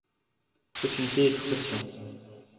C’est une vieille expression.